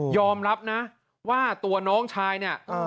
อมรับนะว่าตัวน้องชายเนี่ย